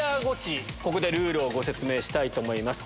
ここでルールをご説明したいと思います。